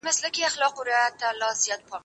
زه به اوږده موده واښه راوړلي وم